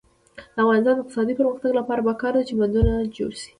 د افغانستان د اقتصادي پرمختګ لپاره پکار ده چې بندونه جوړ شي.